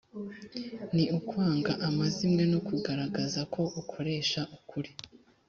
ni ukwanga amazimwe no kugaragaza ko ukoresha ukuri.